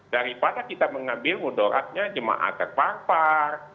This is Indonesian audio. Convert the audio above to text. daripada kita mengambil mudoratnya jemaah terpapar